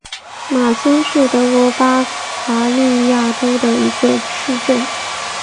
马兴是德国巴伐利亚州的一个市镇。